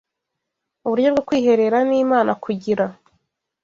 uburyo bwo kwiherera n’Imana kugira